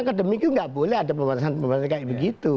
biasanya nggak boleh ada pembahasan begitu